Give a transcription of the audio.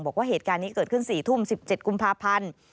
บอกว่าเหตุการณ์นี้เกิดขึ้น๔ทุ่ม๑๗กุมภาพันธ์